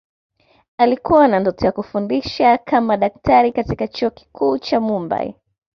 Alikuwa na ndoto ya kufundisha kama daktari katika Chuo Kikuu cha Mumbay